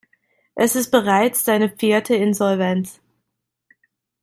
Es ist bereits seine vierte Insolvenz.